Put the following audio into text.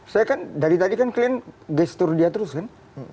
saya kan dari tadi kan kalian gestur dia terus kan